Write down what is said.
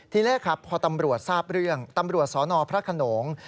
ทีแรกครับพอตำรวจทราบเรื่องตำรวจสนพระขนง